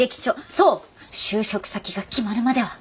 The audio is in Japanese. そう就職先が決まるまでは！